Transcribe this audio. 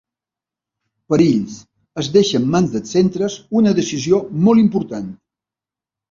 Perills: Es deixa en mans dels centres una decisió molt important.